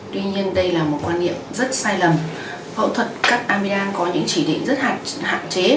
tuy nhiên đây là một quan niệm rất sai lầm phẫu thuật cắt amidam có những chỉ định rất hạn chế